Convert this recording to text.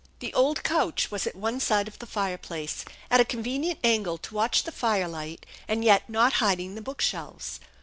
The old couch was at one side of the fireplace, at a con venient angle to watch the firelight, and yet not hiding the bookshelves.